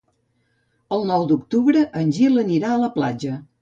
El nou d'octubre en Gil anirà a la platja.